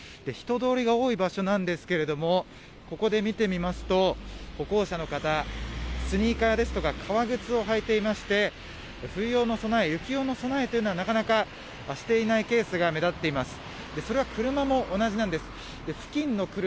人通りが多い場所なんですけれどもここで見てみますと歩行者の方、スニーカーですとか革靴を履いていまして冬用の備え、雪用の備えというのはなかなかしていないケースが目立っています。